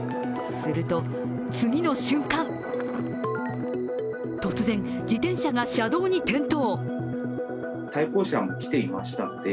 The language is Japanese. すると次の瞬間、突然自転車が車道に転倒。